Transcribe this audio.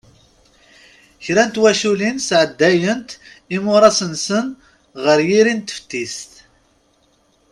Kra n twaculin sεeddayent imuras-nsen ɣer yiri n teftist.